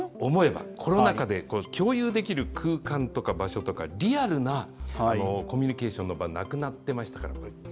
思えば、コロナ禍で共有できる空間とか場所とか、リアルなコミュニケーションの場、なくなってましたから。